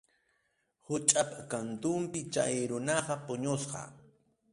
Quchap kantunpi chay runaqa puñusqa.